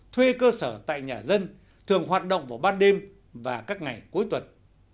thuê cơ sở tại nhà dân thường hoạt động vào ban đêm và các ngày cuối tuần